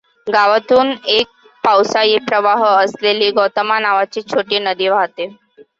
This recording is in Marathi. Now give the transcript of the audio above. गावातून एक पावसाळी प्रवाह असलेली गौतमा नावाची छोटी नदी वाहते.